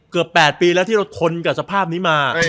เกือบ๘ปีแล้วที่เราทนกับสภาพนี้มา